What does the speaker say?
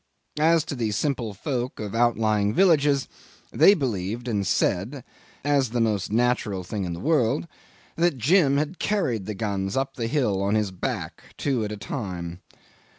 As to the simple folk of outlying villages, they believed and said (as the most natural thing in the world) that Jim had carried the guns up the hill on his back two at a time.